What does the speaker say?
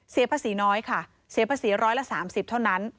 เสียภาษีน้อยค่ะเสียภาษีร้อยละ๓๐เท่านั้น